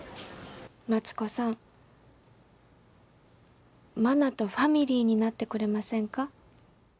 マツコさん、マナとファミリーになってくれませんか。